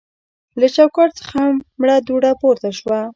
له چوکاټ څخه مړه دوړه پورته شوه.